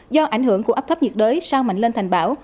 do ảnh hưởng của áp thấp nhiệt đới sau mạnh lên thành bão